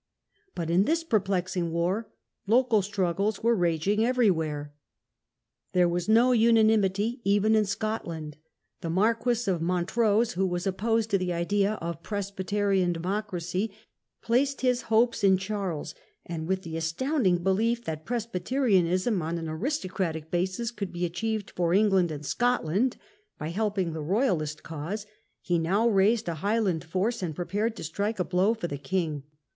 But in this perplexing war local struggles were raging every where. There was no unanimity even in Scotland. The Mar quis of Montrose, who was opposed to the idea of a Presbyterian democracy, placed his hopes in Montrose in Charles; and with the astounding belief that Scotland. Presbyterianism on an aristocratic basis could be achieved for England and Scotland by helping the Royalist cause, he now raised a Highland force and prepared to strike a blow for the king.